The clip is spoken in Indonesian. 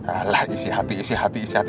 alah isi hati isi hati